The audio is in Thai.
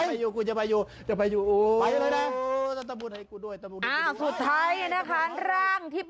ทำกูทำไม